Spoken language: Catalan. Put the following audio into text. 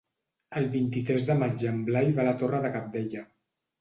El vint-i-tres de maig en Blai va a la Torre de Cabdella.